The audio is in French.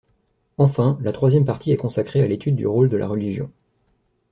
Enfin, la troisième partie est consacrée à l'étude du rôle de la religion.